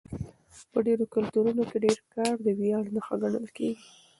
په ډېرو کلتورونو کې ډېر کار د ویاړ نښه ګڼل کېږي.